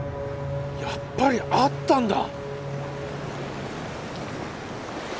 やっぱりあったんだ！